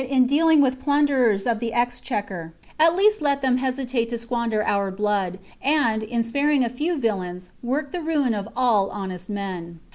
in dealing with plunderers of the exchequer, at least let them hesitate to squander our blood, and, in spar ing a few villains, work the ruin of all honest men.